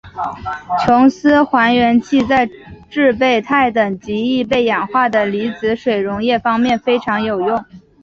琼斯还原器在制备钛等极易被氧化的离子水溶液方面非常有用。